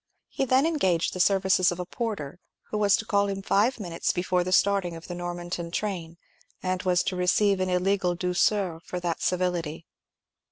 He then engaged the services of a porter, who was to call him five minutes before the starting of the Normanton train, and was to receive an illegal douceur for that civility.